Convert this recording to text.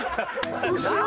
後ろ。